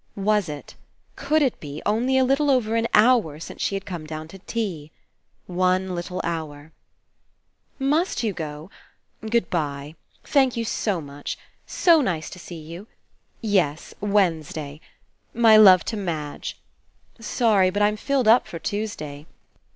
Was It, could it be, only a little over an hour since she had come down to tea? One little hour. *'Must you go? ... Good bye. ... Thank you so much. ... So nice to see you. ... Yes, Wednesday. ... My love to Madge. ... Sorry, but Fm filled up for Tuesday.